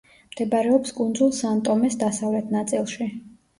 მდებარეობს კუნძულ სან-ტომეს დასავლეთ ნაწილში.